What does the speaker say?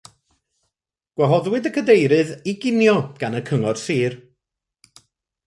Gwahoddwyd y cadeirydd i ginio gan y Cyngor Sir